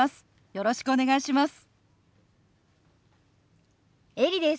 よろしくお願いします。